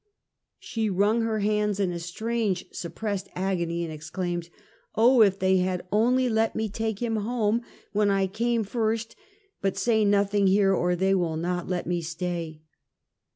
She wrung her hands in a strange, suppressed agony, and exclaimed " Oh! If they had only let me take him home when I came first; hut say nothing here, or they will not let me stay."